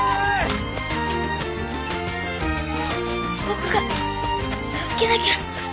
僕が助けなきゃ。